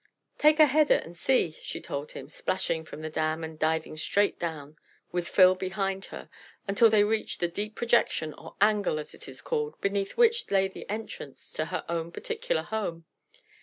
"Take a header and see," she told him, splashing from the dam and diving straight down, with Phil behind her, until they reached the deep projection, or "angle" as it is called, beneath which lay the entrance to her own particular home.